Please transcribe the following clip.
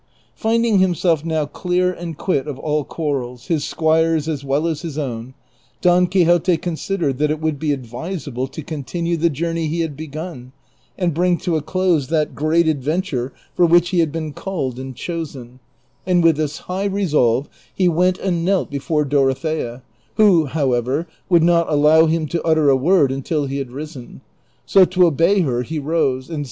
Finding himself now clear and quit of all quarrels, his squire's as well as his own, Don Quixote considered that it would be advisable to continue the journey he had begun, and bring to a close that great adventure for which he had been called and chosen ; and with this high resolve he went and knelt before Dorothea, who, however, would not allow him to utter a word until he had risen ; so to obey her he rose, and ' i.